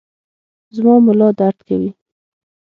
زما ملا درد کوي